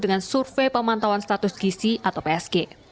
dengan survei pemantauan statis